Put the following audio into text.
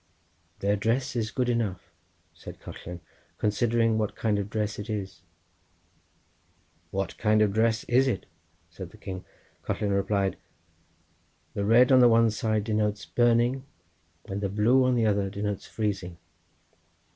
"Their dress is good enough," said Collen, "considering what kind of dress it is." "What kind of dress is it?" said the king. Collen replied: "The red on the one side denotes burning, and the blue on the other side denotes freezing."